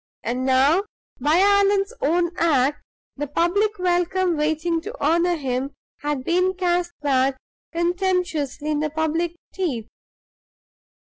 And now, by Allan's own act, the public welcome waiting to honor him had been cast back contemptuously in the public teeth!